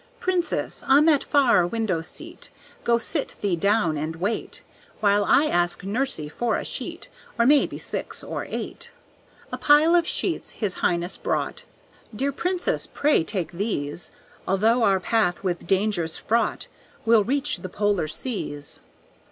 "Princess, on that far window seat, Go, sit thee down and wait, While I ask nursie for a sheet, Or maybe six or eight." A pile of sheets his highness brought. "Dear princess, pray take these; Although our path with danger's fraught, We'll reach the polar seas."